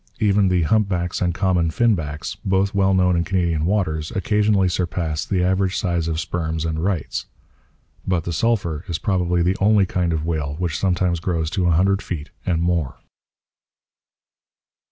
Even the humpbacks and common finbacks, both well known in Canadian waters, occasionally surpass the average size of sperms and 'rights.' But the sulphur is probably the only kind of whale which sometimes grows to a hundred feet and more.